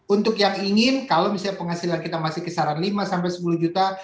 untuk yang ingin kalau misalnya penghasilan kita masih kisaran lima sampai sepuluh juta